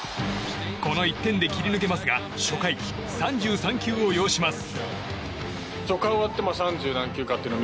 この１点で切り抜けますが初回、３３球を要します。